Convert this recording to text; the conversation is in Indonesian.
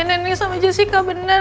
iya nenek sama jessica bener